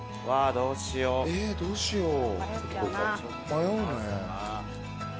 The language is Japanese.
迷うね。